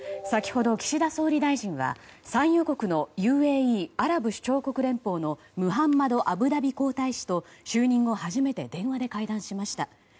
先ほど、岸田総理大臣は産油国のＵＡＥ・アラブ首長国連邦のムハンマド・アブダビ皇太子と就任後初めて電話で会談しました。